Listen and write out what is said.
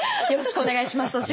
よろしくお願いします。